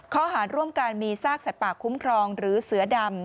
ข้อหารร่วมกันมีซากสัตว์ป่าคุ้มครองหรือเสือดำ